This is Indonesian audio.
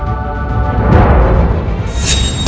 mereka semua berpikir seperti itu